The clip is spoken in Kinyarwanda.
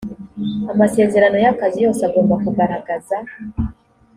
amasezerano y akazi yose agomba kugaragaza